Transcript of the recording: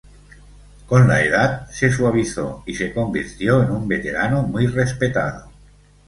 Con la edad, se suavizó y se convirtió en un veterano muy respetado.